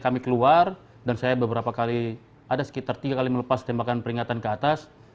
kami keluar dan saya beberapa kali ada sekitar tiga kali melepas tembakan peringatan ke atas